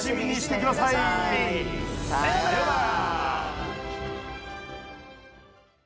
さよなら。